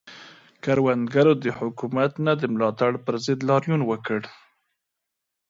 کروندګرو د حکومت د نه ملاتړ پر ضد لاریون وکړ.